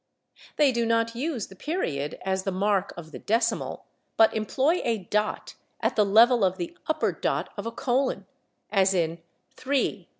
They do not use the period as the mark of the decimal, but employ a dot at the level of the upper dot of a colon, as in /3·1416